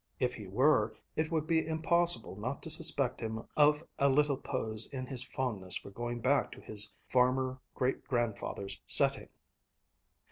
If he were, it would be impossible not to suspect him of a little pose in his fondness for going back to his farmer great grandfather's setting."